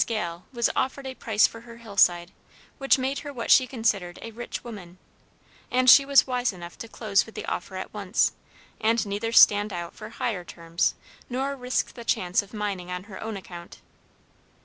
Gale was offered a price for her hillside which made her what she considered a rich woman, and she was wise enough to close with the offer at once, and neither stand out for higher terms nor risk the chance of mining on her own account.